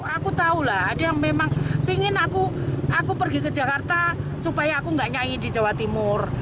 aku tahu lah ada yang memang ingin aku pergi ke jakarta supaya aku nggak nyanyi di jawa timur